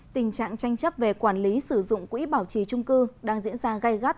tình trạng tranh chấp về quản lý sử dụng quỹ bảo trì trung cư đang diễn ra gai gắt